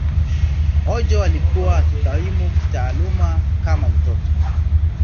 Ojo alikuwa akikaimu kitaaluma kama mtoto.